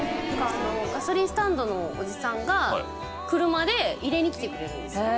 ガソリンスタンドのおじさんが車で入れに来てくれるんです。